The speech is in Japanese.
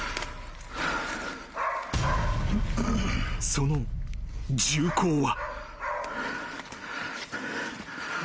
［その銃口は］